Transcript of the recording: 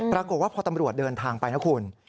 ปรากฏว่าพอตำรวจเดินทางไปนะคุณ